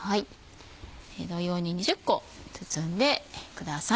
同様に２０個包んでください。